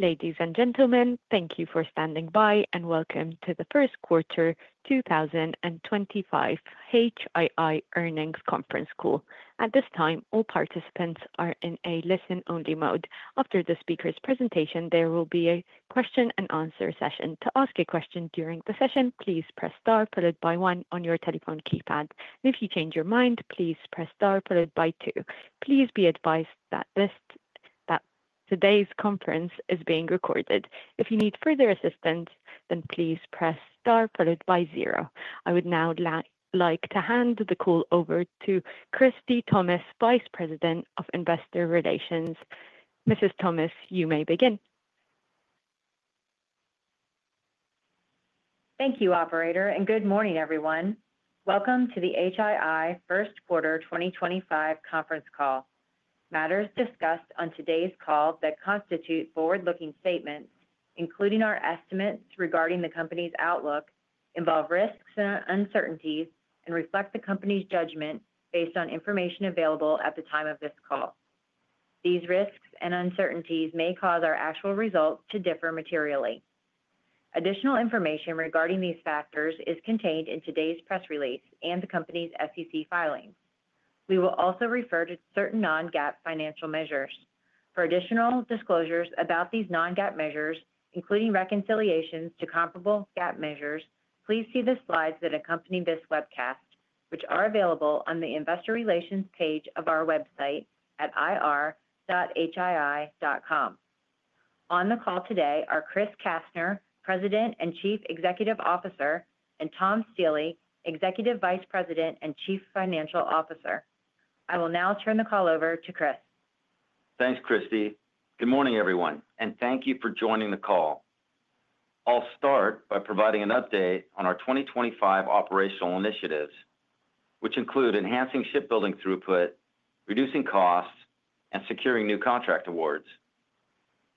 Ladies and gentlemen, thank you for standing by, and welcome to the first quarter 2025 HII Earnings Conference Call. At this time, all participants are in a listen-only mode. After the speaker's presentation, there will be a question-and-answer session. To ask a question during the session, please press star followed by one on your telephone keypad. If you change your mind, please press star followed by two. Please be advised that today's conference is being recorded. If you need further assistance, then please press star followed by zero. I would now like to hand the call over to Christie Thomas, Vice President of Investor Relations. Mrs. Thomas, you may begin. Thank you, Operator, and good morning, everyone. Welcome to the HII first quarter 2025 conference call. Matters discussed on today's call that constitute forward-looking statements, including our estimates regarding the company's outlook, involve risks and uncertainties, and reflect the company's judgment based on information available at the time of this call. These risks and uncertainties may cause our actual results to differ materially. Additional information regarding these factors is contained in today's press release and the company's SEC filings. We will also refer to certain non-GAAP financial measures. For additional disclosures about these non-GAAP measures, including reconciliations to comparable GAAP measures, please see the slides that accompany this webcast, which are available on the investor relations page of our website at ir.hii.com. On the call today are Chris Kastner, President and Chief Executive Officer, and Tom Stiehle, Executive Vice President and Chief Financial Officer. I will now turn the call over to Christopher. Thanks, Christie. Good morning, everyone, and thank you for joining the call. I'll start by providing an update on our 2025 operational initiatives, which include enhancing shipbuilding throughput, reducing costs, and securing new contract awards.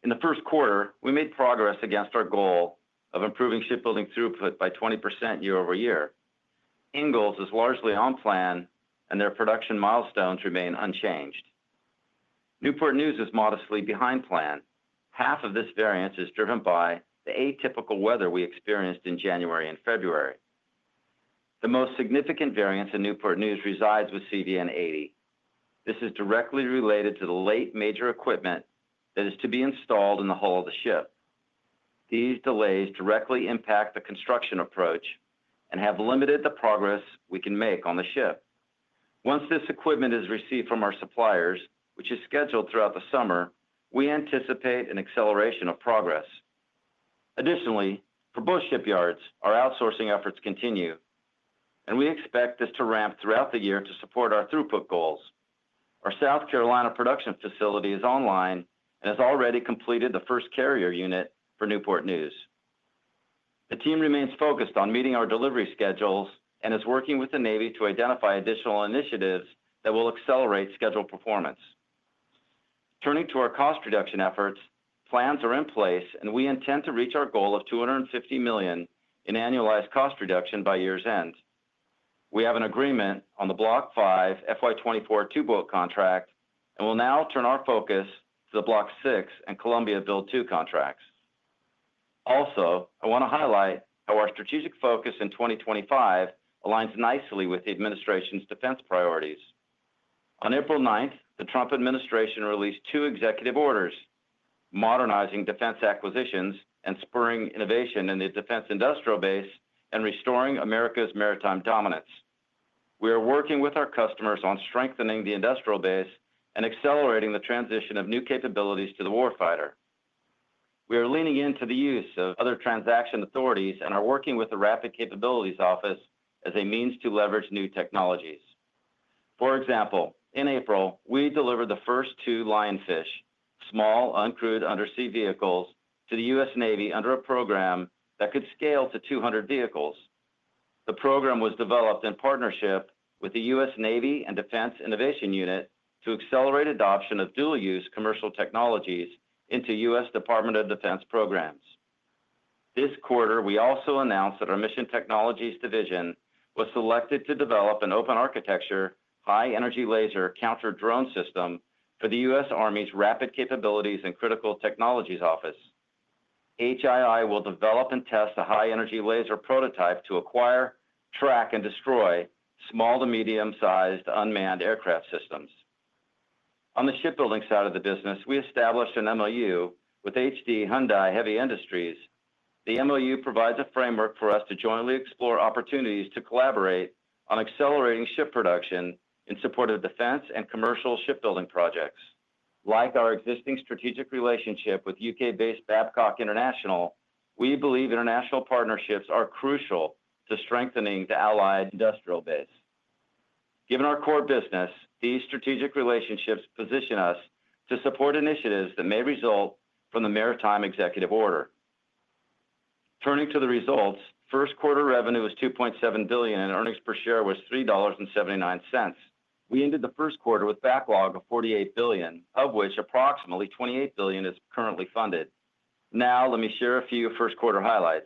In the first quarter, we made progress against our goal of improving shipbuilding throughput by 20% year over year. Ingalls is largely on plan, and their production milestones remain unchanged. Newport News is modestly behind plan. Half of this variance is driven by the atypical weather we experienced in January and February. The most significant variance in Newport News resides with CVN 80. This is directly related to the late major equipment that is to be installed in the hull of the ship. These delays directly impact the construction approach and have limited the progress we can make on the ship. Once this equipment is received from our suppliers, which is scheduled throughout the summer, we anticipate an acceleration of progress. Additionally, for both shipyards, our outsourcing efforts continue, and we expect this to ramp throughout the year to support our throughput goals. Our South Carolina production facility is online and has already completed the first carrier unit for Newport News. The team remains focused on meeting our delivery schedules and is working with the Navy to identify additional initiatives that will accelerate scheduled performance. Turning to our cost reduction efforts, plans are in place, and we intend to reach our goal of $250 million in annualized cost reduction by year's end. We have an agreement on the Block 5 FY24 two-boat contract and will now turn our focus to the Block 6 and Columbia Build 2 contracts. Also, I want to highlight how our strategic focus in 2025 aligns nicely with the administration's defense priorities. On April 9, the Trump administration released two executive orders: modernizing defense acquisitions and spurring innovation in the defense industrial base and restoring America's maritime dominance. We are working with our customers on strengthening the industrial base and accelerating the transition of new capabilities to the warfighter. We are leaning into the use of other transaction authorities and are working with the Rapid Capabilities Office as a means to leverage new technologies. For example, in April, we delivered the first two Lionfish, small uncrewed undersea vehicles, to the U.S. Navy under a program that could scale to 200 vehicles. The program was developed in partnership with the U.S. Navy and Defense Innovation Unit to accelerate adoption of dual-use commercial technologies into U.S. Department of Defense programs. This quarter, we also announced that our Mission Technologies Division was selected to develop an open architecture high-energy laser counter drone system for the U.S. Army's Rapid Capabilities and Critical Technologies Office. HII will develop and test a high-energy laser prototype to acquire, track, and destroy small to medium-sized unmanned aircraft systems. On the shipbuilding side of the business, we established an MOU with HD Hyundai Heavy Industries. The MOU provides a framework for us to jointly explore opportunities to collaborate on accelerating ship production in support of defense and commercial shipbuilding projects. Like our existing strategic relationship with U.K.-based Babcock International, we believe international partnerships are crucial to strengthening the allied industrial base. Given our core business, these strategic relationships position us to support initiatives that may result from the maritime executive order. Turning to the results, first quarter revenue was $2.7 billion and earnings per share was $3.79. We ended the first quarter with backlog of $48 billion, of which approximately $28 billion is currently funded. Now, let me share a few first quarter highlights.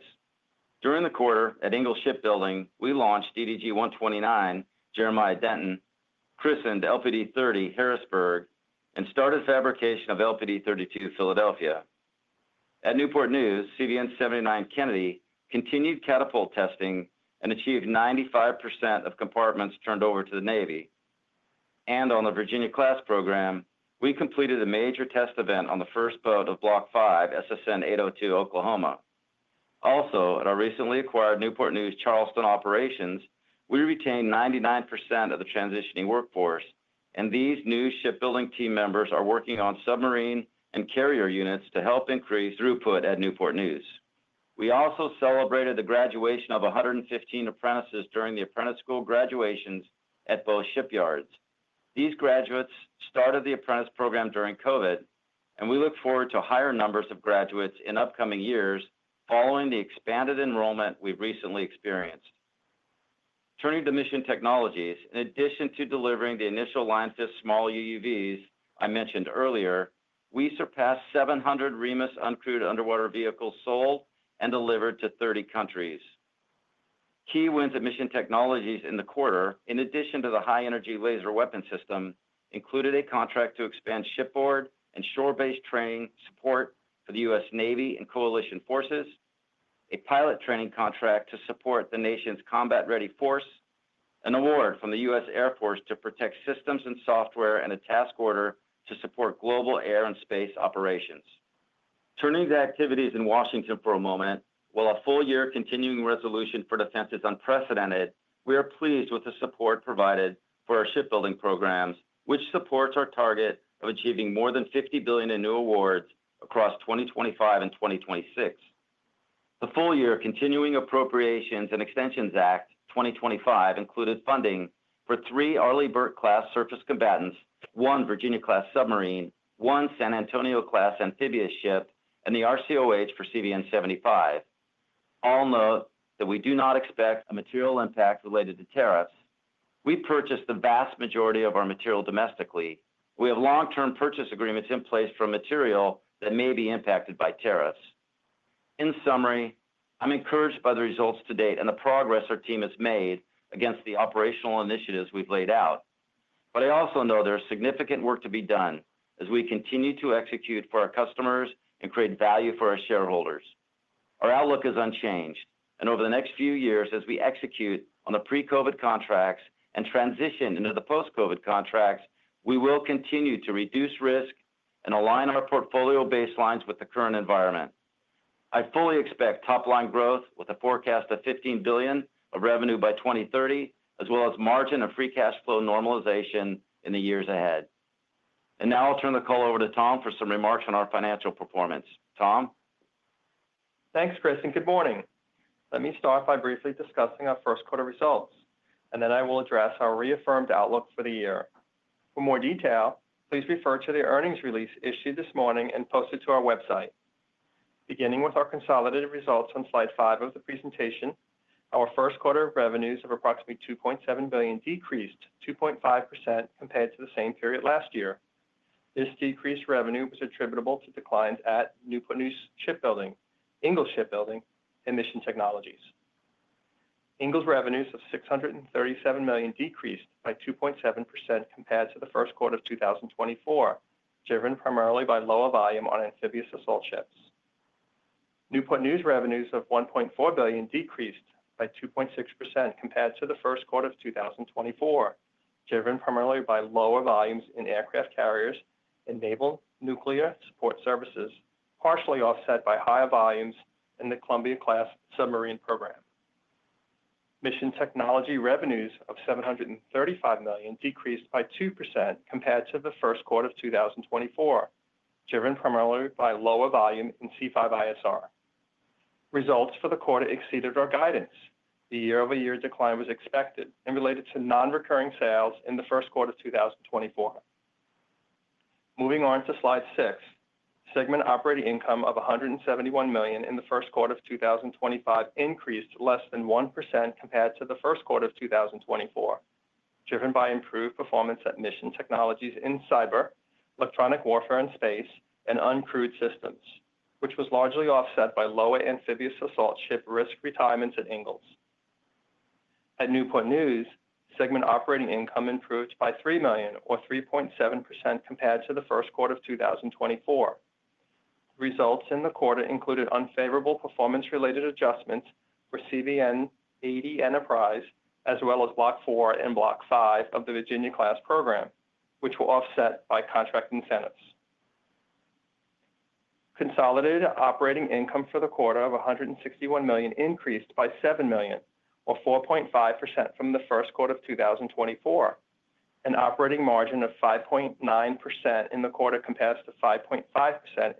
During the quarter, at Ingalls Shipbuilding, we launched DDG 129, Jeremiah Denton, christened LPD 30, Harrisburg, and started fabrication of LPD 32, Philadelphia. At Newport News, CVN 79 Kennedy continued catapult testing and achieved 95% of compartments turned over to the Navy. On the Virginia-class program, we completed a major test event on the first boat of Block 5, SSN 802, Oklahoma. Also, at our recently acquired Newport News Charleston Operations, we retained 99% of the transitioning workforce, and these new shipbuilding team members are working on submarine and carrier units to help increase throughput at Newport News. We also celebrated the graduation of 115 apprentices during the apprentice school graduations at both shipyards. These graduates started the apprentice program during COVID, and we look forward to higher numbers of graduates in upcoming years following the expanded enrollment we have recently experienced. Turning to Mission Technologies, in addition to delivering the initial Lionfish small UUVs I mentioned earlier, we surpassed 700 REMUS uncrewed underwater vehicles sold and delivered to 30 countries. Key wins at Mission Technologies in the quarter, in addition to the high-energy laser weapon system, included a contract to expand shipboard and shore-based training support for the U.S. Navy and Coalition forces, a pilot training contract to support the nation's combat-ready force, an award from the U.S. Air Force to protect systems and software, and a task order to support global air and space operations. Turning to activities in Washington for a moment, while a full year continuing resolution for defense is unprecedented, we are pleased with the support provided for our shipbuilding programs, which supports our target of achieving more than $50 billion in new awards across 2025 and 2026. The full year Continuing Appropriations and Extensions Act 2025 included funding for three Arleigh Burke-class surface combatants, one Virginia-class submarine, one San Antonio-class amphibious ship, and the RCOH for CVN 75. I'll note that we do not expect a material impact related to tariffs. We purchased the vast majority of our material domestically. We have long-term purchase agreements in place for material that may be impacted by tariffs. In summary, I'm encouraged by the results to date and the progress our team has made against the operational initiatives we've laid out. I also know there is significant work to be done as we continue to execute for our customers and create value for our shareholders. Our outlook is unchanged, and over the next few years, as we execute on the pre-COVID contracts and transition into the post-COVID contracts, we will continue to reduce risk and align our portfolio baselines with the current environment. I fully expect top-line growth with a forecast of $15 billion of revenue by 2030, as well as margin of free cash flow normalization in the years ahead. Now I'll turn the call over to Tom for some remarks on our financial performance. Tom? Thanks, Christopher, and good morning. Let me start by briefly discussing our first quarter results, and then I will address our reaffirmed outlook for the year. For more detail, please refer to the earnings release issued this morning and posted to our website. Beginning with our consolidated results on slide five of the presentation, our first quarter revenues of approximately $2.7 billion decreased 2.5% compared to the same period last year. This decreased revenue was attributable to declines at Newport News Shipbuilding, Ingalls Shipbuilding, and Mission Technologies. Ingalls revenues of $637 million decreased by 2.7% compared to the first quarter of 2024, driven primarily by lower volume on amphibious assault ships. Newport News revenues of $1.4 billion decreased by 2.6% compared to the first quarter of 2024, driven primarily by lower volumes in aircraft carriers and naval nuclear support services, partially offset by higher volumes in the Columbia-class submarine program. Mission Technologies revenues of $735 million decreased by 2% compared to the first quarter of 2024, driven primarily by lower volume in C5ISR. Results for the quarter exceeded our guidance. The year-over-year decline was expected and related to non-recurring sales in the first quarter of 2024. Moving on to slide six, segment operating income of $171 million in the first quarter of 2025 increased less than 1% compared to the first quarter of 2024, driven by improved performance at Mission Technologies in cyber, electronic warfare, and space, and uncrewed systems, which was largely offset by lower amphibious assault ship risk retirements at Ingalls. At Newport News, segment operating income improved by $3 million, or 3.7% compared to the first quarter of 2024. Results in the quarter included unfavorable performance-related adjustments for CVN 80 Enterprise, as well as Block 4 and Block 5 of the Virginia-class program, which were offset by contract incentives. Consolidated operating income for the quarter of $161 million increased by $7 million, or 4.5% from the first quarter of 2024, an operating margin of 5.9% in the quarter compared to 5.5%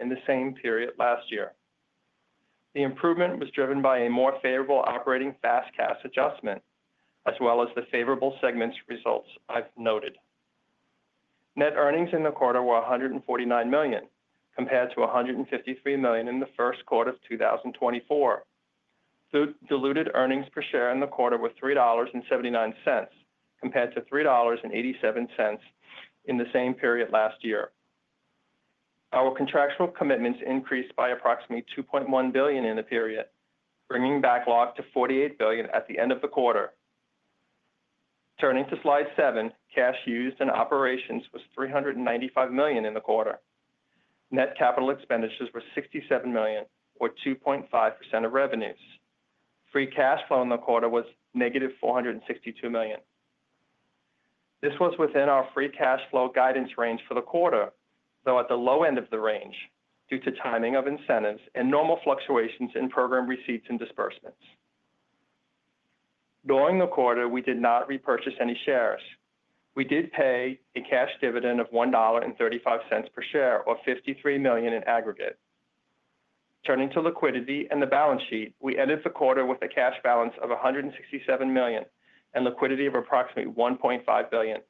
in the same period last year. The improvement was driven by a more favorable operating FAS/CAS adjustment, as well as the favorable segments results I've noted. Net earnings in the quarter were $149 million compared to $153 million in the first quarter of 2024. Diluted earnings per share in the quarter were $3.79 compared to $3.87 in the same period last year. Our contractual commitments increased by approximately $2.1 billion in the period, bringing backlog to $48 billion at the end of the quarter. Turning to slide seven, cash used in operations was $395 million in the quarter. Net capital expenditures were $67 million, or 2.5% of revenues. Free cash flow in the quarter was negative $462 million. This was within our free cash flow guidance range for the quarter, though at the low end of the range due to timing of incentives and normal fluctuations in program receipts and disbursements. During the quarter, we did not repurchase any shares. We did pay a cash dividend of $1.35 per share, or $53 million in aggregate. Turning to liquidity and the balance sheet, we ended the quarter with a cash balance of $167 million and liquidity of approximately $1.5 billion.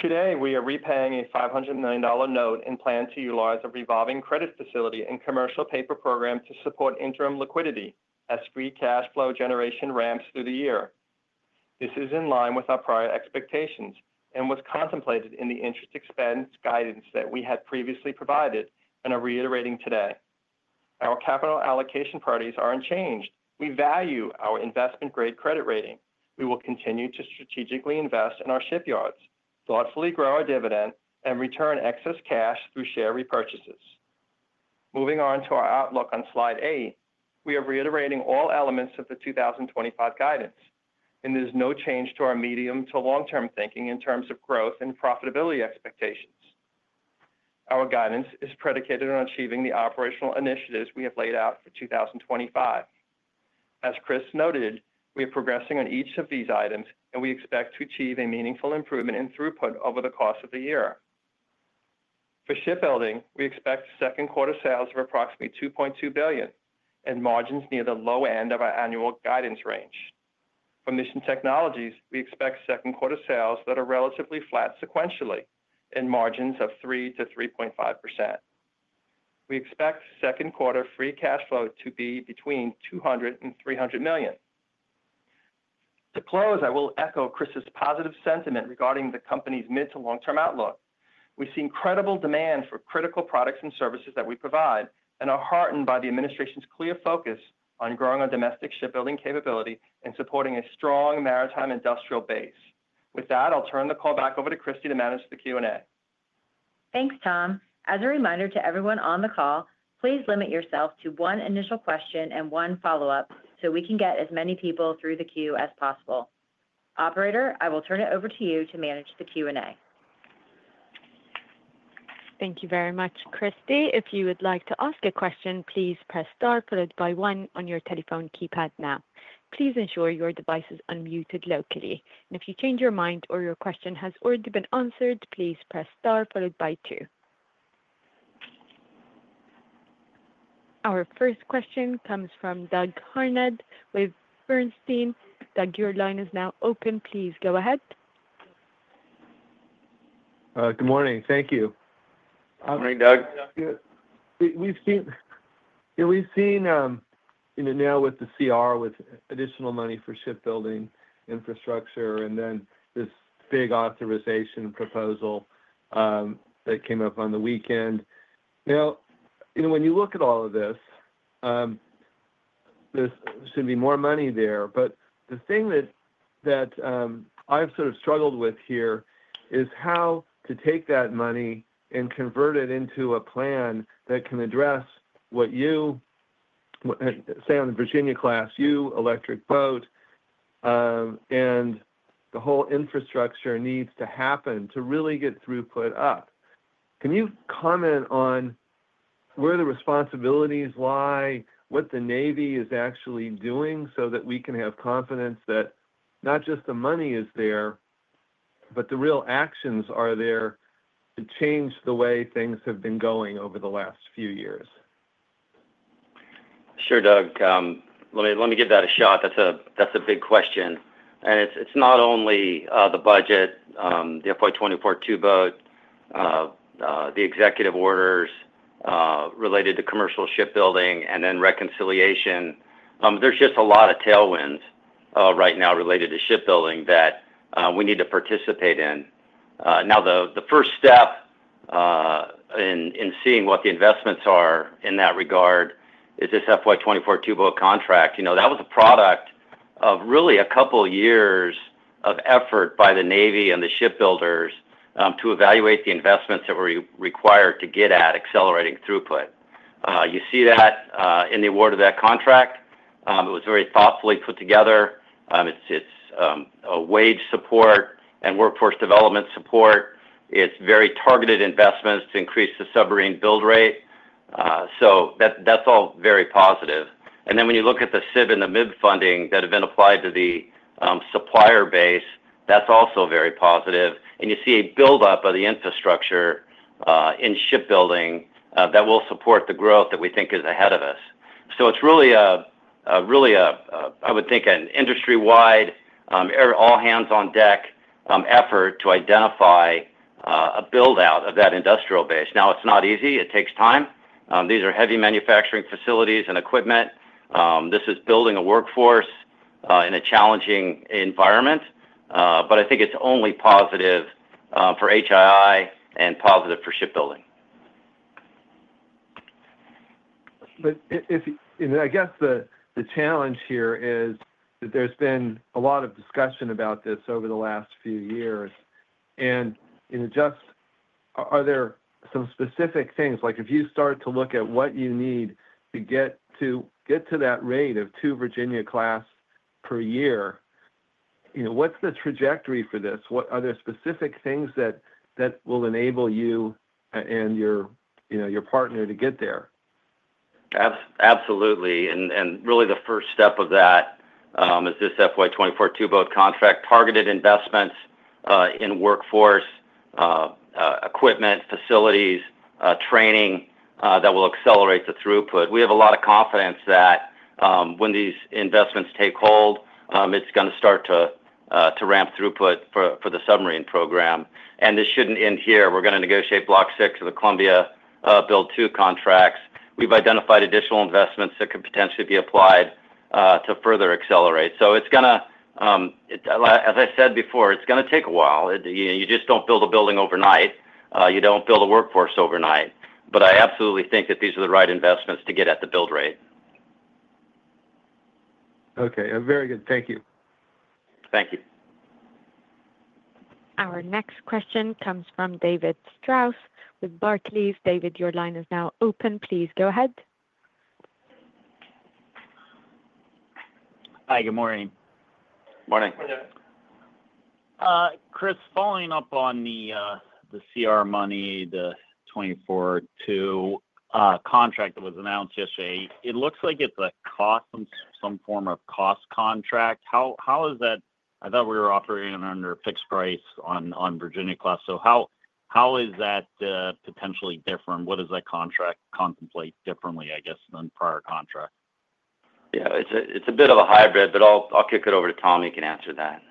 Today, we are repaying a $500 million note and plan to utilize a revolving credit facility and commercial paper program to support interim liquidity as free cash flow generation ramps through the year. This is in line with our prior expectations and was contemplated in the interest expense guidance that we had previously provided, and I'm reiterating today. Our capital allocation priorities are unchanged. We value our investment-grade credit rating. We will continue to strategically invest in our shipyards, thoughtfully grow our dividend, and return excess cash through share repurchases. Moving on to our outlook on slide eight, we are reiterating all elements of the 2025 guidance, and there's no change to our medium to long-term thinking in terms of growth and profitability expectations. Our guidance is predicated on achieving the operational initiatives we have laid out for 2025. As Chris noted, we are progressing on each of these items, and we expect to achieve a meaningful improvement in throughput over the course of the year. For shipbuilding, we expect second quarter sales of approximately $2.2 billion and margins near the low end of our annual guidance range. For Mission Technologies, we expect second quarter sales that are relatively flat sequentially and margins of 3%-3.5%. We expect second quarter free cash flow to be between $200 million and $300 million. To close, I will echo Christopher's positive sentiment regarding the company's mid to long-term outlook. We see incredible demand for critical products and services that we provide and are heartened by the administration's clear focus on growing our domestic shipbuilding capability and supporting a strong maritime industrial base. With that, I'll turn the call back over to Christie to manage the Q&A. Thanks, Tom. As a reminder to everyone on the call, please limit yourself to one initial question and one follow-up so we can get as many people through the queue as possible. Operator, I will turn it over to you to manage the Q&A. Thank you very much, Christie. If you would like to ask a question, please press star followed by one on your telephone keypad now. Please ensure your device is unmuted locally. If you change your mind or your question has already been answered, please press star followed by two. Our first question comes from Douglas Harned with Bernstein. Douglas, your line is now open. Please go ahead. Good morning. Thank you. Good morning, Douglas. Yeah. We've seen now with the CR, with additional money for shipbuilding infrastructure, and then this big authorization proposal that came up on the weekend. Now, when you look at all of this, there should be more money there. The thing that I've sort of struggled with here is how to take that money and convert it into a plan that can address what you say on the Virginia-class, you, Electric Boat, and the whole infrastructure needs to happen to really get throughput up. Can you comment on where the responsibilities lie, what the Navy is actually doing so that we can have confidence that not just the money is there, but the real actions are there to change the way things have been going over the last few years? Sure, Doug. Let me give that a shot. That's a big question. It's not only the budget, the FY24 two-boat, the executive orders related to commercial shipbuilding, and then reconciliation. There's just a lot of tailwinds right now related to shipbuilding that we need to participate in. The first step in seeing what the investments are in that regard is this FY24 two-boat contract. That was a product of really a couple of years of effort by the Navy and the shipbuilders to evaluate the investments that were required to get at accelerating throughput. You see that in the award of that contract. It was very thoughtfully put together. It's wage support and workforce development support. It's very targeted investments to increase the submarine build rate. That's all very positive. When you look at the SIB and the MIB funding that have been applied to the supplier base, that's also very positive. You see a build-up of the infrastructure in shipbuilding that will support the growth that we think is ahead of us. It's really, I would think, an industry-wide, all-hands-on-deck effort to identify a build-out of that industrial base. It's not easy. It takes time. These are heavy manufacturing facilities and equipment. This is building a workforce in a challenging environment. I think it's only positive for HII and positive for shipbuilding. I guess the challenge here is that there's been a lot of discussion about this over the last few years. Just are there some specific things, like if you start to look at what you need to get to that rate of two Virginia-class per year, what's the trajectory for this? Are there specific things that will enable you and your partner to get there? Absolutely. Really, the first step of that is this FY24 two-boat contract, targeted investments in workforce, equipment, facilities, training that will accelerate the throughput. We have a lot of confidence that when these investments take hold, it's going to start to ramp throughput for the submarine program. This shouldn't end here. We're going to negotiate Block 6 of the Columbia Build 2 contracts. We've identified additional investments that could potentially be applied to further accelerate. It's going to, as I said before, take a while. You just don't build a building overnight. You don't build a workforce overnight. I absolutely think that these are the right investments to get at the build rate. Okay. Very good. Thank you. Thank you. Our next question comes from David Strauss with Barclays. David, your line is now open. Please go ahead. Hi. Good morning. Morning. Christopher, following up on the CR money, the 24-2 contract that was announced yesterday, it looks like it's some form of cost contract. How is that? I thought we were operating under a fixed price on Virginia class. So how is that potentially different? What does that contract contemplate differently, I guess, than prior contract? Yeah. It's a bit of a hybrid, but I'll kick it over to Tom. He can answer that.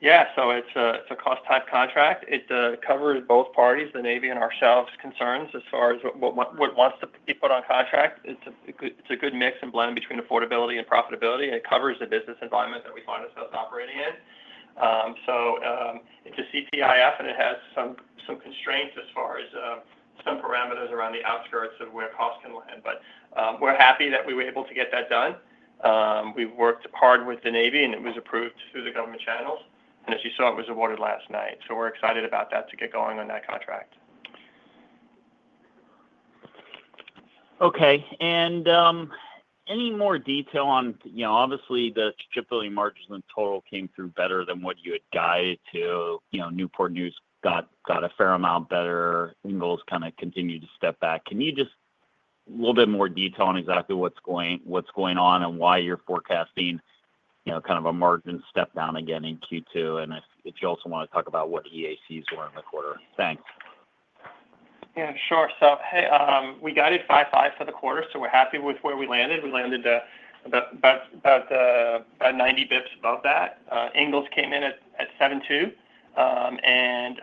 Yeah. So it's a cost-type contract. It covers both parties, the Navy and ourselves, concerns as far as what wants to be put on contract. It's a good mix and blend between affordability and profitability. It covers the business environment that we find ourselves operating in. It's a CPIF, and it has some constraints as far as some parameters around the outskirts of where costs can land. We're happy that we were able to get that done. We've worked hard with the Navy, and it was approved through the government channels. As you saw, it was awarded last night. We're excited about that to get going on that contract. Okay. Any more detail on, obviously, the shipbuilding margins in total came through better than what you had guided to. Newport News got a fair amount better. Ingalls kind of continued to step back. Can you give a little bit more detail on exactly what's going on and why you're forecasting kind of a margin step down again in Q2? If you also want to talk about what EACs were in the quarter. Thanks. Yeah. Sure. We guided 5-5 for the quarter, so we're happy with where we landed. We landed about 90 basis points above that. Ingalls came in at 7-2, and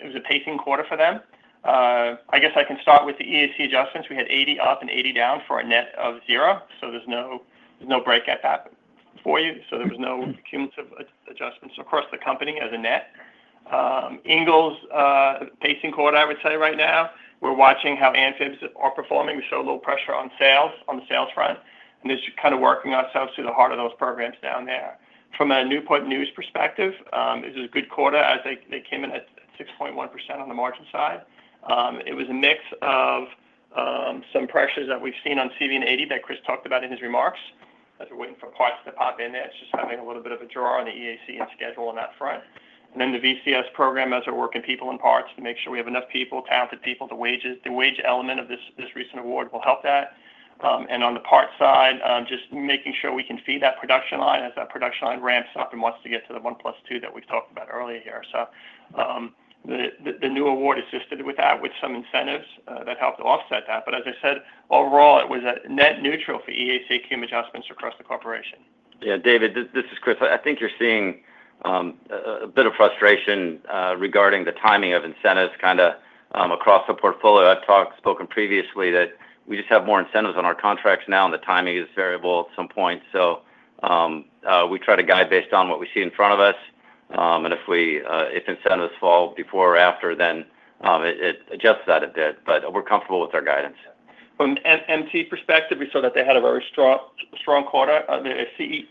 it was a pacing quarter for them. I guess I can start with the EAC adjustments. We had 80 up and 80 down for a net of zero. There is no break at that for you. There were no cumulative adjustments across the company as a net. Ingalls' pacing quarter, I would say, right now, we're watching how Amphibs are performing. We saw a little pressure on the sales front. They're just kind of working ourselves through the heart of those programs down there. From a Newport News perspective, it was a good quarter as they came in at 6.1% on the margin side. It was a mix of some pressures that we've seen on CVN 80 that Chris talked about in his remarks. As we're waiting for parts to pop in there, it's just having a little bit of a draw on the EAC and schedule on that front. The VCS program as we're working people and parts to make sure we have enough people, talented people. The wage element of this recent award will help that. On the parts side, just making sure we can feed that production line as that production line ramps up and wants to get to the 1 plus 2 that we've talked about earlier here. The new award assisted with that with some incentives that helped to offset that. As I said, overall, it was net neutral for EAC cum adjustments across the corporation. Yeah. David, this is Chris. I think you're seeing a bit of frustration regarding the timing of incentives kind of across the portfolio. I've spoken previously that we just have more incentives on our contracts now, and the timing is variable at some point. We try to guide based on what we see in front of us. If incentives fall before or after, then it adjusts that a bit. We're comfortable with our guidance. From an MT perspective, we saw that they had a very strong quarter. The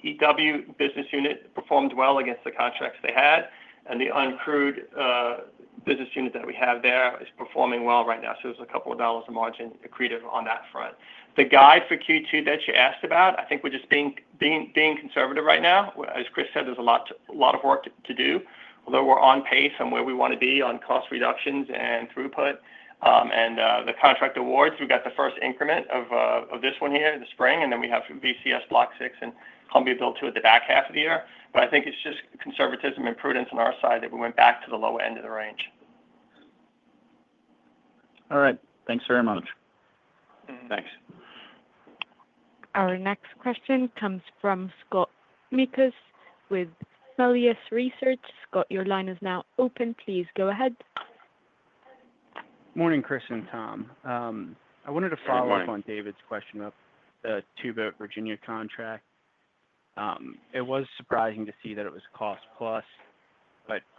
CEW business unit performed well against the contracts they had. The uncrewed business unit that we have there is performing well right now. There is a couple of dollars of margin created on that front. The guide for Q2 that you asked about, I think we are just being conservative right now. As Chris said, there is a lot of work to do. Although we are on pace and where we want to be on cost reductions and throughput and the contract awards, we have got the first increment of this one here in the spring. We have VCS Block 6 and Columbia Build 2 at the back half of the year. I think it is just conservatism and prudence on our side that we went back to the lower end of the range. All right. Thanks very much. Thanks. Our next question comes from Scott Mikus with Melius Research. Scott, your line is now open. Please go ahead. Morning, Christopher and Tom. I wanted to follow up on David's question about the two-boat Virginia contract. It was surprising to see that it was cost-plus.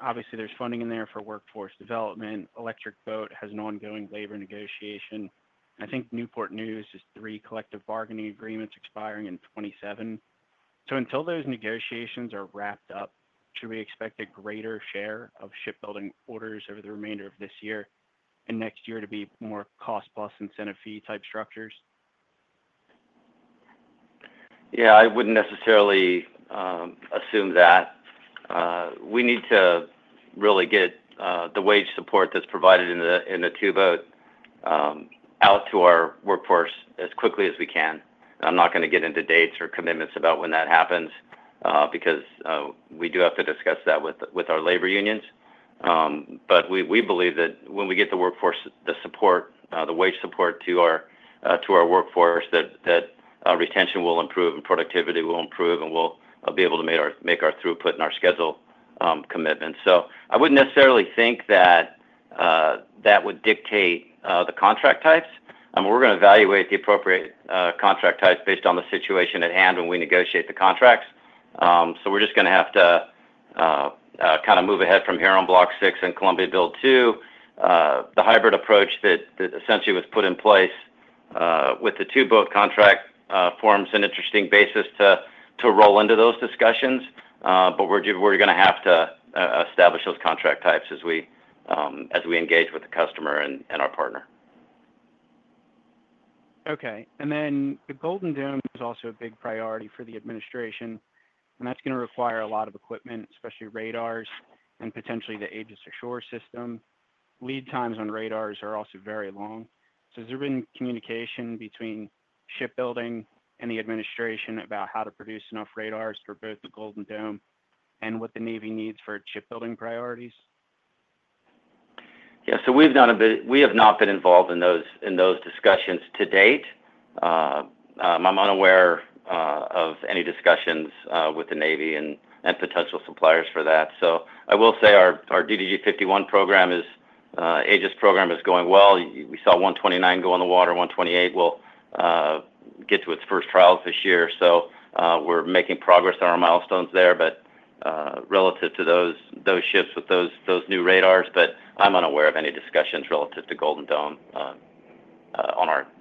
Obviously, there's funding in there for workforce development. Electric Boat has an ongoing labor negotiation. I think Newport News is three collective bargaining agreements expiring in 2027. Until those negotiations are wrapped up, should we expect a greater share of shipbuilding orders over the remainder of this year and next year to be more cost-plus incentive fee type structures? Yeah. I would not necessarily assume that. We need to really get the wage support that is provided in the two-boat out to our workforce as quickly as we can. I am not going to get into dates or commitments about when that happens because we do have to discuss that with our labor unions. We believe that when we get the workforce, the support, the wage support to our workforce, retention will improve and productivity will improve, and we will be able to make our throughput and our schedule commitments. I would not necessarily think that that would dictate the contract types. We are going to evaluate the appropriate contract types based on the situation at hand when we negotiate the contracts. We are just going to have to kind of move ahead from here on Block 6 and Columbia Build 2. The hybrid approach that essentially was put in place with the two-boat contract forms an interesting basis to roll into those discussions. We are going to have to establish those contract types as we engage with the customer and our partner. Okay. The Golden Dome is also a big priority for the administration. That is going to require a lot of equipment, especially radars and potentially the Aegis Ashore system. Lead times on radars are also very long. Has there been communication between shipbuilding and the administration about how to produce enough radars for both the Golden Dome and what the Navy needs for shipbuilding priorities? Yeah. We have not been involved in those discussions to date. I'm unaware of any discussions with the Navy and potential suppliers for that. I will say our DDG 51 program, Aegis program, is going well. We saw 129 go in the water. 128 will get to its first trials this year. We're making progress on our milestones there, relative to those ships with those new radars. I'm unaware of any discussions relative to Golden Dome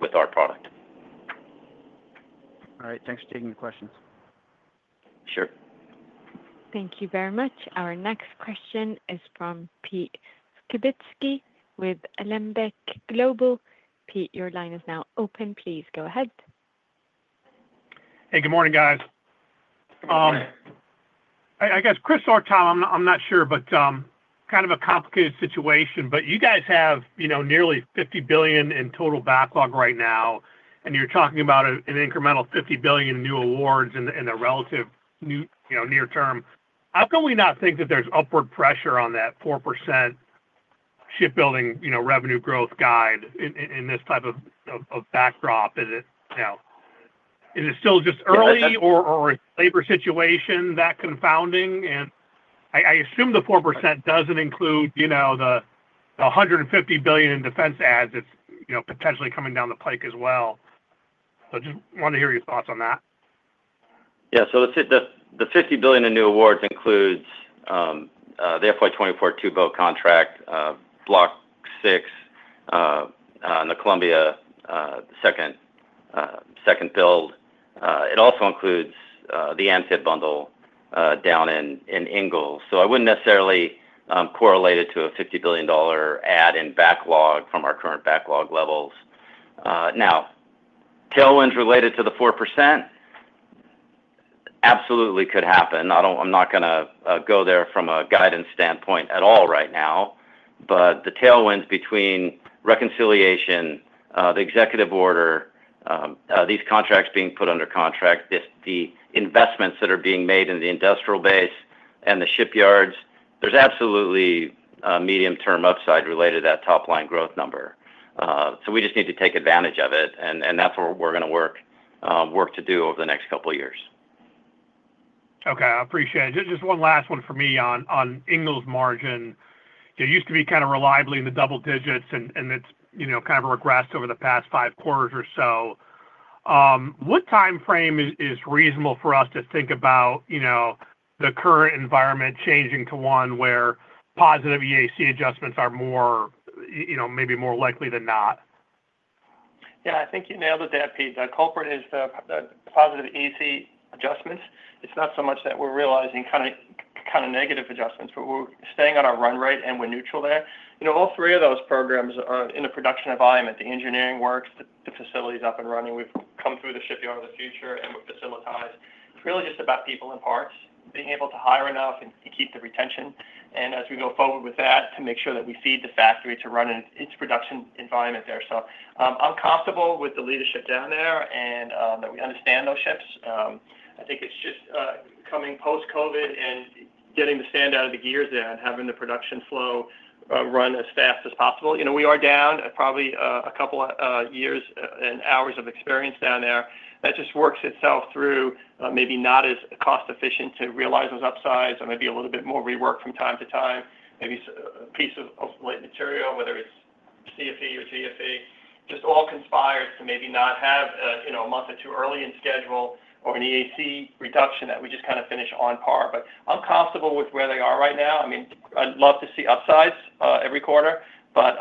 with our product. All right. Thanks for taking the questions. Sure. Thank you very much. Our next question is from Peter Skibitski with Alembic Global. Pete, your line is now open. Please go ahead. Hey. Good morning, guys. I guess, Christopher or Tom, I'm not sure, but kind of a complicated situation. You guys have nearly $50 billion in total backlog right now. You're talking about an incremental $50 billion in new awards in the relative near term. How can we not think that there's upward pressure on that 4% shipbuilding revenue growth guide in this type of backdrop? Is it still just early, or is the labor situation that confounding? I assume the 4% doesn't include the $150 billion in defense ads that's potentially coming down the pike as well. Just wanted to hear your thoughts on that. Yeah. The $50 billion in new awards includes the FY24 two-boat contract, Block 6, and the Columbia build. It also includes the Amphib bundle down in Ingalls. I would not necessarily correlate it to a $50 billion add in backlog from our current backlog levels. Now, tailwinds related to the 4% absolutely could happen. I am not going to go there from a guidance standpoint at all right now. The tailwinds between reconciliation, the executive order, these contracts being put under contract, the investments that are being made in the industrial base and the shipyards, there is absolutely medium-term upside related to that top-line growth number. We just need to take advantage of it. That is what we are going to work to do over the next couple of years. Okay. I appreciate it. Just one last one for me on Ingalls' margin. It used to be kind of reliably in the double digits, and it's kind of regressed over the past five quarters or so. What time frame is reasonable for us to think about the current environment changing to one where positive EAC adjustments are maybe more likely than not? Yeah. I think you nailed it there, Pete. The culprit is the positive EAC adjustments. It's not so much that we're realizing kind of negative adjustments, but we're staying on our run rate, and we're neutral there. All three of those programs are in the production environment. The engineering works, the facility's up and running. We've come through the shipyard of the future, and we're facilities. It's really just about people and parts, being able to hire enough and keep the retention. As we go forward with that to make sure that we feed the factory to run in its production environment there. I am comfortable with the leadership down there and that we understand those ships. I think it's just coming post-COVID and getting the stand out of the gears there and having the production flow run as fast as possible. We are down at probably a couple of years and hours of experience down there. That just works itself through maybe not as cost-efficient to realize those upsides or maybe a little bit more rework from time to time. Maybe a piece of late material, whether it's CFE or GFE, just all conspires to maybe not have a month or two early in schedule or an EAC reduction that we just kind of finish on par. I'm comfortable with where they are right now. I mean, I'd love to see upsides every quarter, but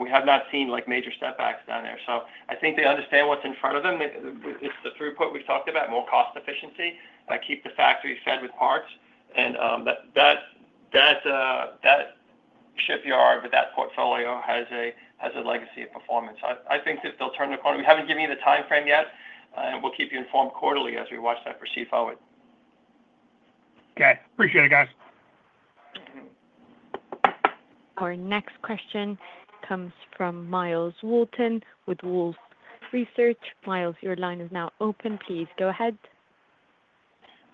we have not seen major setbacks down there. I think they understand what's in front of them. It's the throughput we've talked about, more cost efficiency, keep the factory fed with parts. That shipyard with that portfolio has a legacy of performance. I think that they'll turn the corner. We haven't given you the time frame yet. We'll keep you informed quarterly as we watch that proceed forward. Okay. Appreciate it, guys. Our next question comes from Myles Walton with Wolfe Research. Myles, your line is now open. Please go ahead.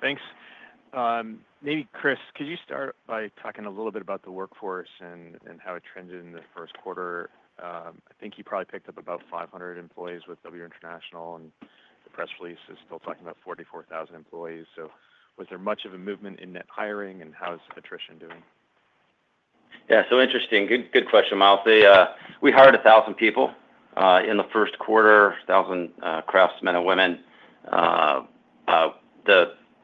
Thanks. Maybe Christopher, could you start by talking a little bit about the workforce and how it trended in the first quarter? I think you probably picked up about 500 employees with W International. The press release is still talking about 44,000 employees. Was there much of a movement in net hiring, and how's attrition doing? Yeah. Interesting. Good question, Myles. We hired 1,000 people in the first quarter, 1,000 craftsmen and women.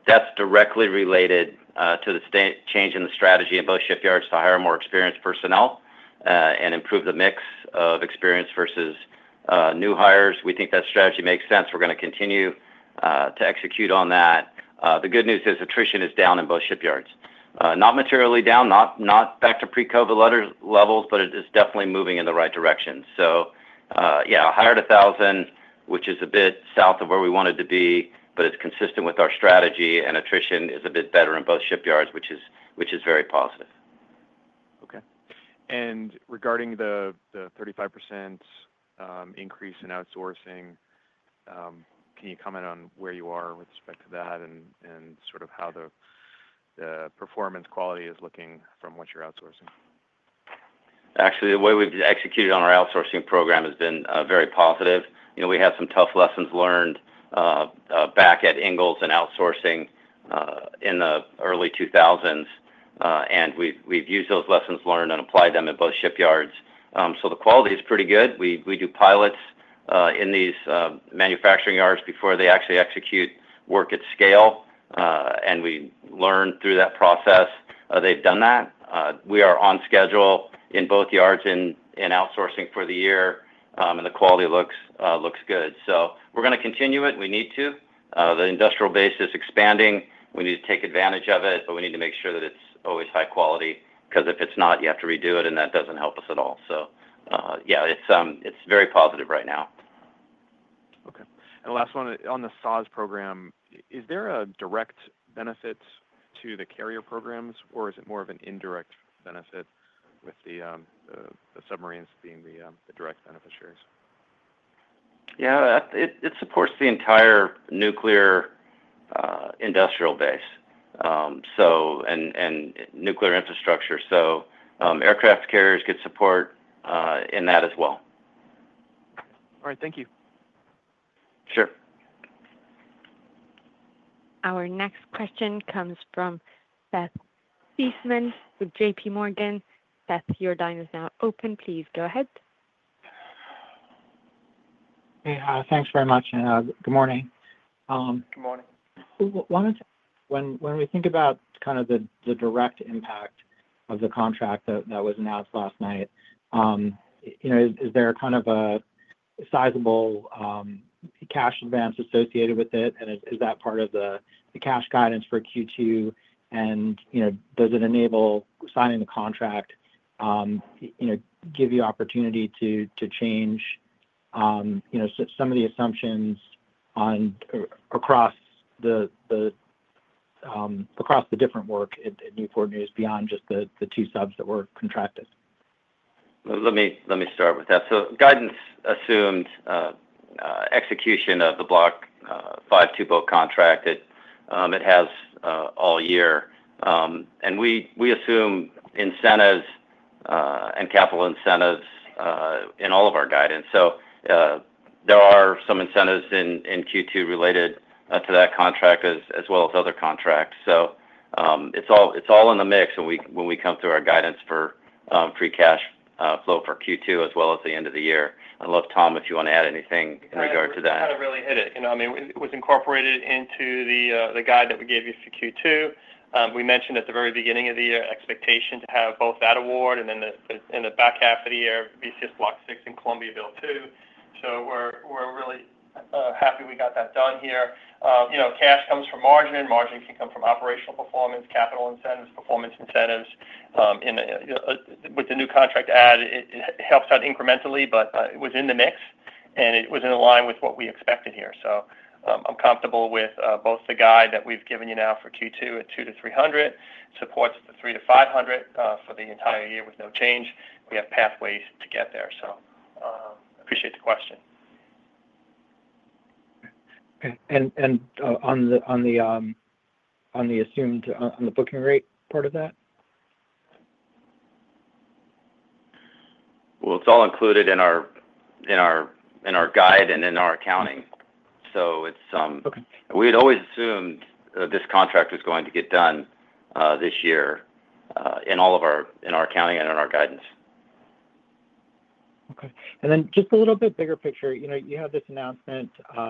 That's directly related to the change in the strategy in both shipyards to hire more experienced personnel and improve the mix of experience versus new hires. We think that strategy makes sense. We're going to continue to execute on that. The good news is attrition is down in both shipyards. Not materially down, not back to pre-COVID levels, but it is definitely moving in the right direction. Yeah, hired 1,000, which is a bit south of where we wanted to be, but it's consistent with our strategy. Attrition is a bit better in both shipyards, which is very positive. Okay. Regarding the 35% increase in outsourcing, can you comment on where you are with respect to that and sort of how the performance quality is looking from what you're outsourcing? Actually, the way we've executed on our outsourcing program has been very positive. We had some tough lessons learned back at Ingalls and outsourcing in the early 2000s. We've used those lessons learned and applied them in both shipyards. The quality is pretty good. We do pilots in these manufacturing yards before they actually execute work at scale. We learn through that process. They've done that. We are on schedule in both yards in outsourcing for the year. The quality looks good. We're going to continue it. We need to. The industrial base is expanding. We need to take advantage of it. We need to make sure that it's always high quality because if it's not, you have to redo it. That doesn't help us at all. Yeah, it's very positive right now. Okay. Last one on the SAS program. Is there a direct benefit to the carrier programs, or is it more of an indirect benefit with the submarines being the direct beneficiaries? Yeah. It supports the entire nuclear industrial base and nuclear infrastructure. Aircraft carriers get support in that as well. All right. Thank you. Sure. Our next question comes from Seth Seifman with JP Morgan. Seth, your line is now open. Please go ahead. Hey. Thanks very much. Good morning. Good morning. When we think about kind of the direct impact of the contract that was announced last night, is there kind of a sizable cash advance associated with it? Is that part of the cash guidance for Q2? Does it enable signing the contract, give you opportunity to change some of the assumptions across the different work at Newport News beyond just the two subs that were contracted? Let me start with that. Guidance assumes execution of the Block 5 two-boat contract that it has all year. We assume incentives and capital incentives in all of our guidance. There are some incentives in Q2 related to that contract as well as other contracts. It is all in the mix when we come through our guidance for free cash flow for Q2 as well as the end of the year. I would love Tom, if you want to add anything in regard to that. I don't know how to really hit it. I mean, it was incorporated into the guide that we gave you for Q2. We mentioned at the very beginning of the year expectation to have both that award and then in the back half of the year, VCS Block 6 and Columbia Build 2. We are really happy we got that done here. Cash comes from margin. Margin can come from operational performance, capital incentives, performance incentives. With the new contract add, it helps out incrementally, but it was in the mix. It was in line with what we expected here. I am comfortable with both the guide that we've given you now for Q2 at $200-$300, supports the $300-$500 for the entire year with no change. We have pathways to get there. I appreciate the question. On the booking rate part of that? It is all included in our guide and in our accounting. So we had always assumed this contract was going to get done this year in all of our accounting and in our guidance. Okay. And then just a little bit bigger picture. You had this announcement, I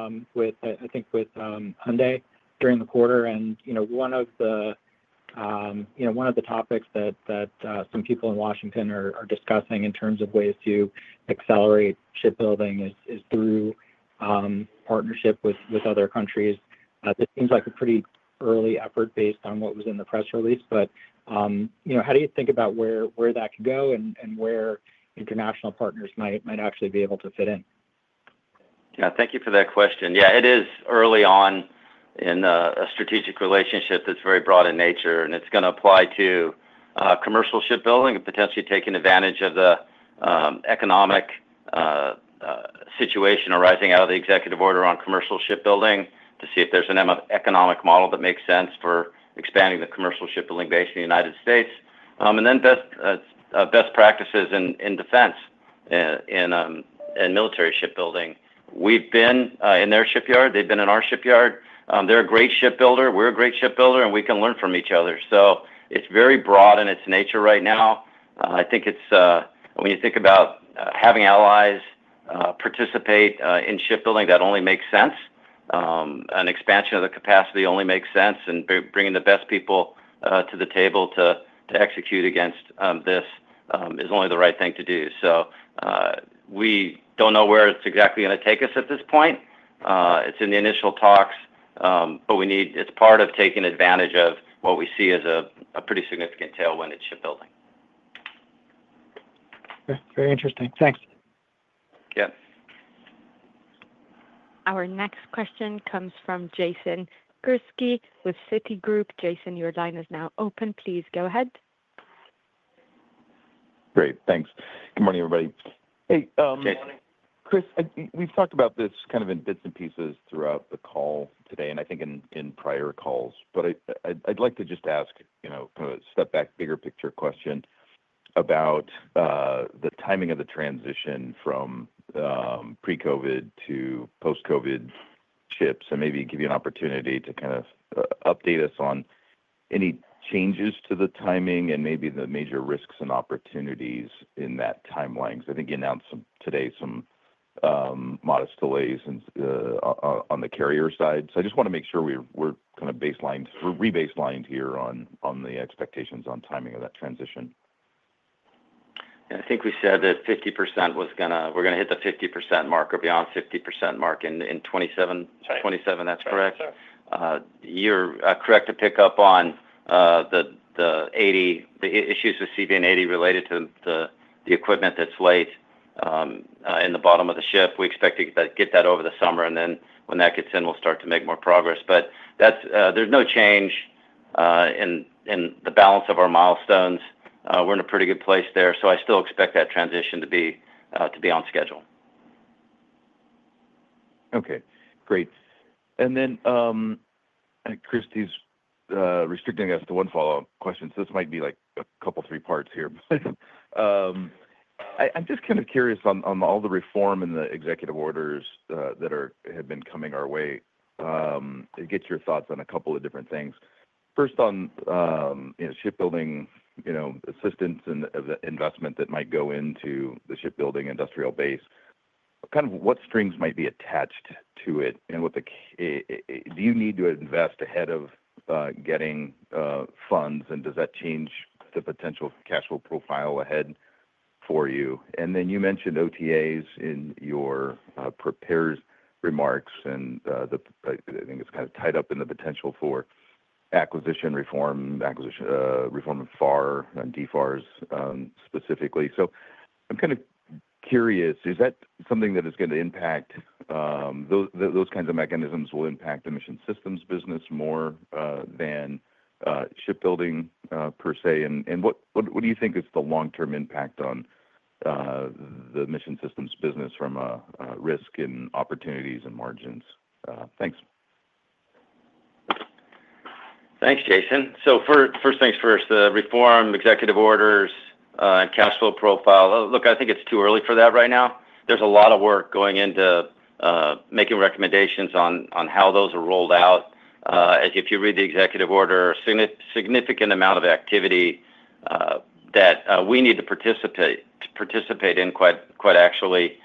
think, with Hyundai during the quarter. One of the topics that some people in Washington are discussing in terms of ways to accelerate shipbuilding is through partnership with other countries. This seems like a pretty early effort based on what was in the press release. How do you think about where that could go and where international partners might actually be able to fit in? Yeah. Thank you for that question. Yeah. It is early on in a strategic relationship that is very broad in nature. It is going to apply to commercial shipbuilding and potentially taking advantage of the economic situation arising out of the executive order on commercial shipbuilding to see if there is an economic model that makes sense for expanding the commercial shipbuilding base in the United States. Then best practices in defense and military shipbuilding. We have been in their shipyard. They have been in our shipyard. They are a great shipbuilder. We are a great shipbuilder. We can learn from each other. It is very broad in its nature right now. I think when you think about having allies participate in shipbuilding, that only makes sense. An expansion of the capacity only makes sense. Bringing the best people to the table to execute against this is only the right thing to do. We don't know where it's exactly going to take us at this point. It's in the initial talks. It's part of taking advantage of what we see as a pretty significant tailwind in shipbuilding. Okay. Very interesting. Thanks. Yeah. Our next question comes from Jason Gursky with Citigroup. Jason, your line is now open. Please go ahead. Great. Thanks. Good morning, everybody. Hey. Good morning. Chris, we've talked about this kind of in bits and pieces throughout the call today and I think in prior calls. I would like to just ask kind of a step back, bigger picture question about the timing of the transition from pre-COVID to post-COVID ships. Maybe give you an opportunity to kind of update us on any changes to the timing and maybe the major risks and opportunities in that timeline. I think you announced today some modest delays on the carrier side. I just want to make sure we're kind of re-baselined here on the expectations on timing of that transition. Yeah. I think we said that 50% was going to, we're going to hit the 50% mark or beyond 50% mark in 2027. Sorry. '27. That's correct. Sorry. Sorry. You're correct to pick up on the issues with CVN 80 related to the equipment that's late in the bottom of the ship. We expect to get that over the summer. When that gets in, we'll start to make more progress. There's no change in the balance of our milestones. We're in a pretty good place there. I still expect that transition to be on schedule. Okay. Great. Christopher, he's restricting us to one follow-up question. This might be a couple, three parts here. I'm just kind of curious on all the reform in the executive orders that have been coming our way to get your thoughts on a couple of different things. First, on shipbuilding assistance and investment that might go into the shipbuilding industrial base, kind of what strings might be attached to it? Do you need to invest ahead of getting funds? Does that change the potential cash flow profile ahead for you? You mentioned OTAs in your prepared remarks. I think it's kind of tied up in the potential for acquisition reform, reform of FAR and DFARs specifically. I'm kind of curious. Is that something that is going to impact those kinds of mechanisms, will impact the mission systems business more than shipbuilding per se? What do you think is the long-term impact on the mission systems business from a risk and opportunities and margins? Thanks. Thanks, Jason. First things first, the reform, executive orders, and cash flow profile. Look, I think it's too early for that right now. There's a lot of work going into making recommendations on how those are rolled out. If you read the executive order, a significant amount of activity that we need to participate in quite actually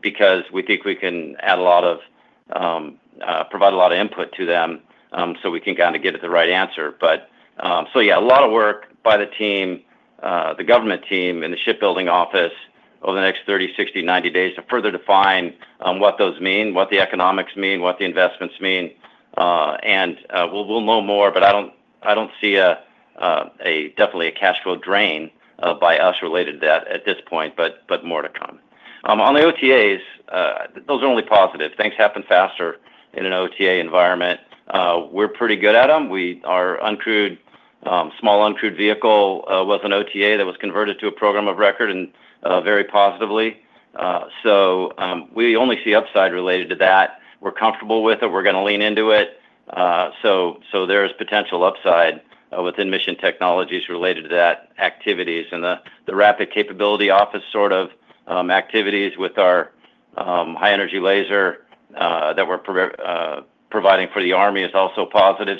because we think we can provide a lot of input to them so we can kind of get at the right answer. Yeah, a lot of work by the team, the government team, and the shipbuilding office over the next 30, 60, 90 days to further define what those mean, what the economics mean, what the investments mean. We'll know more. I don't see definitely a cash flow drain by us related to that at this point, but more to come. On the OTAs, those are only positive. Things happen faster in an OTA environment. We're pretty good at them. Our small uncrewed vehicle was an OTA that was converted to a program of record and very positively. We only see upside related to that. We're comfortable with it. We're going to lean into it. There is potential upside within mission technologies related to that activities. The Rapid Capability Office sort of activities with our high-energy laser that we're providing for the army is also positive.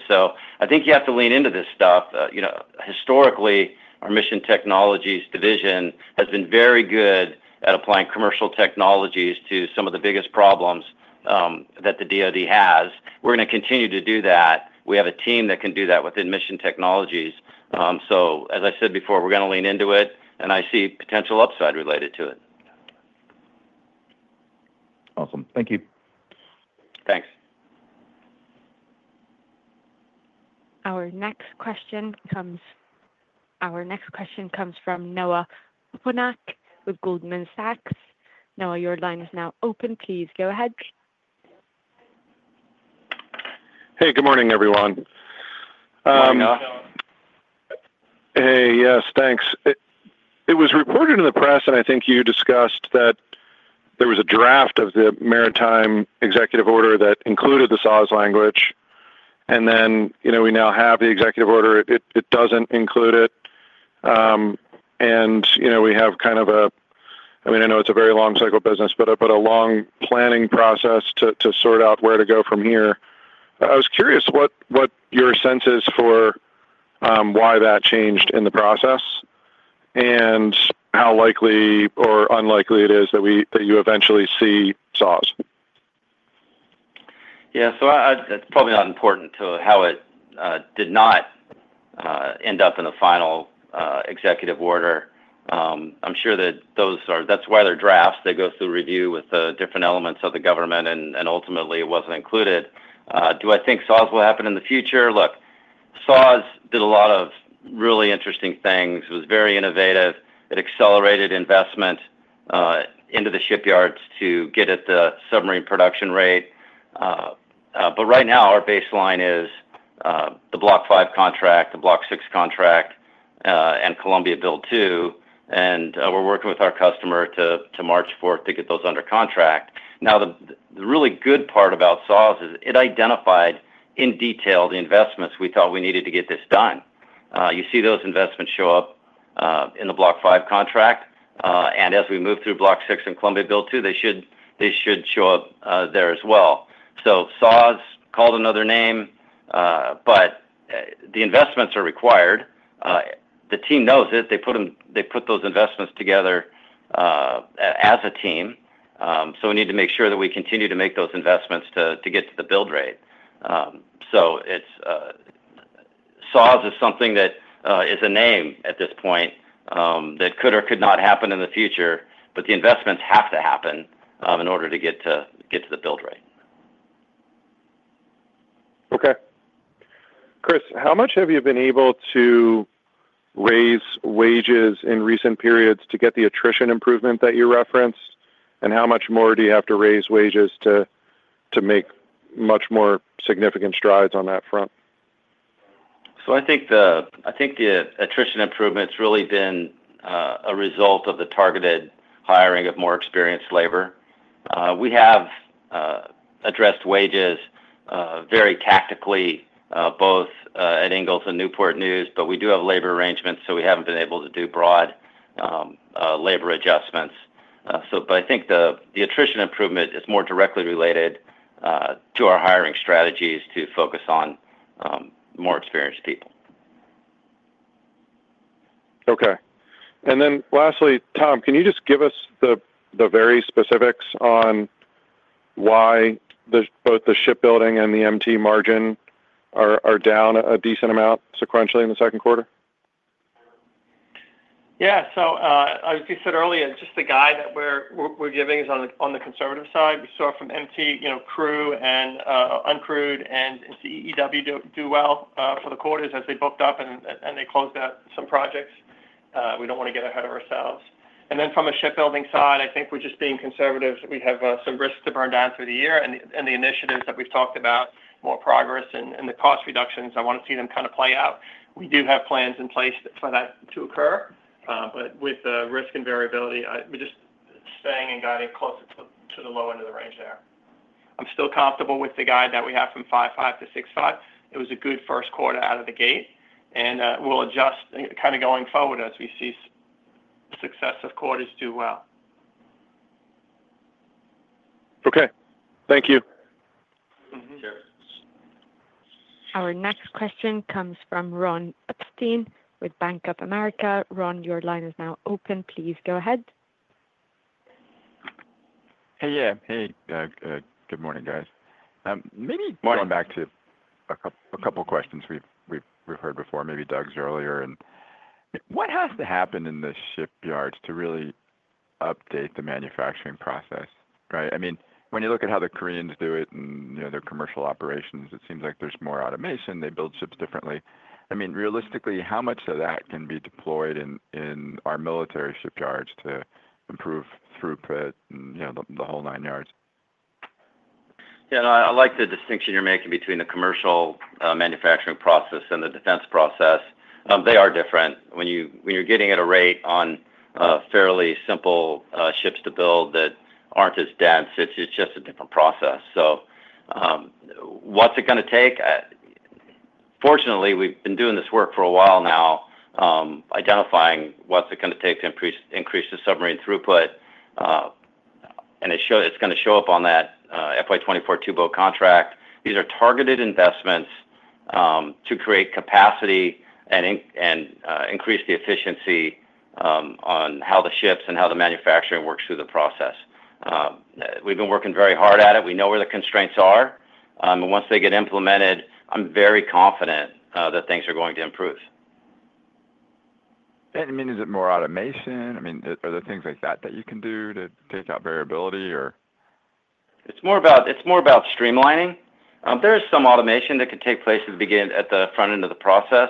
I think you have to lean into this stuff. Historically, our mission technologies division has been very good at applying commercial technologies to some of the biggest problems that the DOD has. We're going to continue to do that. We have a team that can do that within mission technologies. As I said before, we're going to lean into it. I see potential upside related to it. Awesome. Thank you. Thanks. Our next question comes from Noah Poponak with Goldman Sachs. Noah, your line is now open. Please go ahead. Hey. Good morning, everyone. Morning, Noah. Hey. Yes. Thanks. It was reported in the press, and I think you discussed that there was a draft of the maritime executive order that included the SAS language. Then we now have the executive order. It does not include it. We have kind of a—I mean, I know it is a very long-cycle business, but a long planning process to sort out where to go from here. I was curious what your sense is for why that changed in the process and how likely or unlikely it is that you eventually see SAS. Yeah. That is probably not important to how it did not end up in the final executive order. I am sure that those are—that is why they are drafts. They go through review with different elements of the government. Ultimately, it was not included. Do I think SAS will happen in the future? Look, SAS did a lot of really interesting things. It was very innovative. It accelerated investment into the shipyards to get at the submarine production rate. Right now, our baseline is the Block 5 contract, the Block 6 contract, and Columbia Build 2. We are working with our customer to March 4th to get those under contract. The really good part about SAS is it identified in detail the investments we thought we needed to get this done. You see those investments show up in the Block 5 contract. As we move through Block 6 and Columbia Build 2, they should show up there as well. SAS is called another name. The investments are required. The team knows it. They put those investments together as a team. We need to make sure that we continue to make those investments to get to the build rate. SAS is something that is a name at this point that could or could not happen in the future. The investments have to happen in order to get to the build rate. Okay. Christopher, how much have you been able to raise wages in recent periods to get the attrition improvement that you referenced? How much more do you have to raise wages to make much more significant strides on that front? I think the attrition improvement's really been a result of the targeted hiring of more experienced labor. We have addressed wages very tactically, both at Ingalls and Newport News. We do have labor arrangements. We haven't been able to do broad labor adjustments. I think the attrition improvement is more directly related to our hiring strategies to focus on more experienced people. Okay. Lastly, Tom, can you just give us the very specifics on why both the shipbuilding and the MT margin are down a decent amount sequentially in the second quarter? Yeah. As you said earlier, just the guide that we're giving is on the conservative side. We saw from MT crewed and uncrewed and EW do well for the quarters as they booked up and they closed out some projects. We do not want to get ahead of ourselves. From a shipbuilding side, I think we're just being conservative. We have some risks to burn down through the year. The initiatives that we've talked about, more progress and the cost reductions, I want to see them kind of play out. We do have plans in place for that to occur. With the risk and variability, we're just staying and guiding closer to the low end of the range there. I'm still comfortable with the guide that we have from $5.5 billion-$6.5 billion. It was a good first quarter out of the gate. We will adjust kind of going forward as we see successive quarters do well. Okay. Thank you. Sure. Our next question comes from Ronald Epstein with Bank of America. Ron, your line is now open. Please go ahead. Hey. Yeah. Hey. Good morning, guys. Maybe going back to a couple of questions we've heard before, maybe Doug's earlier. What has to happen in the shipyards to really update the manufacturing process, right? I mean, when you look at how the Koreans do it and their commercial operations, it seems like there's more automation. They build ships differently. I mean, realistically, how much of that can be deployed in our military shipyards to improve throughput and the whole nine yards? Yeah. I like the distinction you're making between the commercial manufacturing process and the defense process. They are different. When you're getting at a rate on fairly simple ships to build that aren't as dense, it's just a different process. What's it going to take? Fortunately, we've been doing this work for a while now, identifying what's it going to take to increase the submarine throughput. It's going to show up on that FY 24 two-boat contract. These are targeted investments to create capacity and increase the efficiency on how the ships and how the manufacturing works through the process. We've been working very hard at it. We know where the constraints are. Once they get implemented, I'm very confident that things are going to improve. I mean, is it more automation? I mean, are there things like that that you can do to take out variability or? It's more about streamlining. There is some automation that can take place at the front end of the process.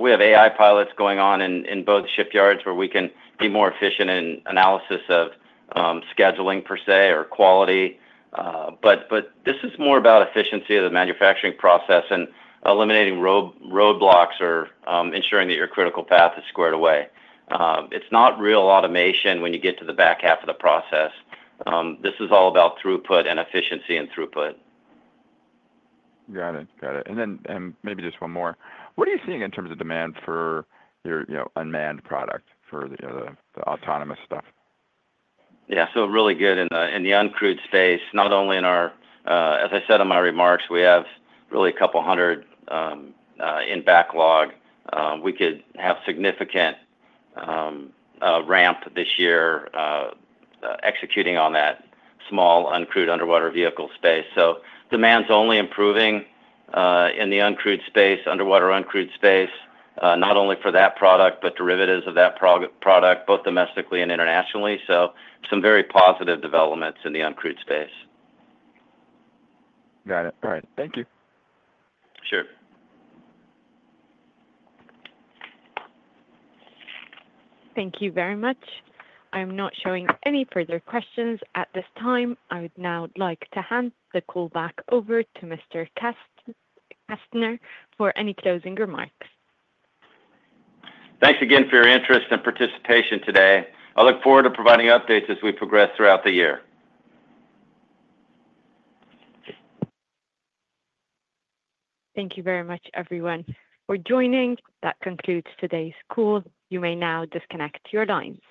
We have AI pilots going on in both shipyards where we can be more efficient in analysis of scheduling per se or quality. This is more about efficiency of the manufacturing process and eliminating roadblocks or ensuring that your critical path is squared away. It's not real automation when you get to the back half of the process. This is all about throughput and efficiency and throughput. Got it. Got it. Maybe just one more. What are you seeing in terms of demand for your unmanned product, for the autonomous stuff? Yeah. Really good in the uncrewed space, not only in our—as I said in my remarks, we have really a couple hundred in backlog. We could have significant ramp this year executing on that small uncrewed underwater vehicle space. Demand's only improving in the uncrewed space, underwater uncrewed space, not only for that product but derivatives of that product, both domestically and internationally. Some very positive developments in the uncrewed space. Got it. All right. Thank you. Sure. Thank you very much. I'm not showing any further questions at this time. I would now like to hand the call back over to Mr. Kastner for any closing remarks. Thanks again for your interest and participation today. I look forward to providing updates as we progress throughout the year. Thank you very much, everyone, for joining. That concludes today's call. You may now disconnect your lines.